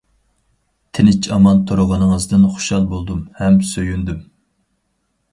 تىنچ-ئامان تۇرغىنىڭىزدىن خۇشال بولدۇم ھەم سۆيۈندۈم.